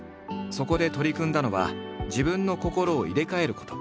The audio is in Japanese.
そこで取り組んだのは自分の心を入れ替えること。